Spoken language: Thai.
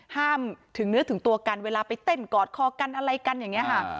ถึงเนื้อถึงตัวกันเวลาไปเต้นกอดคอกันอะไรกันอย่างนี้ค่ะ